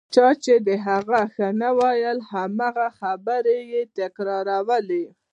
چا چې د هغه ښه نه ویل هماغه خبرې تکرارولې.